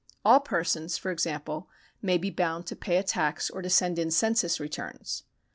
All persons, for example, may be bound to pay a tax or to send in census returns.